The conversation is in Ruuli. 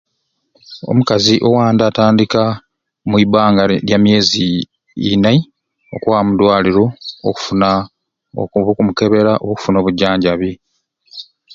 Omukazi owanda atandika omuibanga lyamyeezi inai okwaba omudwaliro okufuna oku oba okumukebeera oba okufuna obujanjanbi.